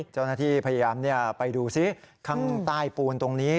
เจ้าหน้าที่พยายามไปดูซิข้างใต้ปูนตรงนี้